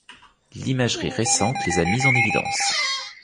L'imagerie récente les a mises en évidence.